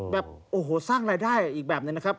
แบบโอ้โหสร้างรายได้อีกแบบนึงนะครับ